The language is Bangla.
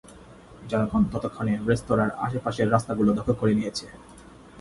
জনগণ ততক্ষণে রেস্তরার আশে পাশের রাস্তাগুলো দখল করে নিয়েছে।